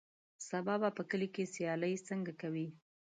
سبا به په کلي کې سیالۍ څنګه کوې.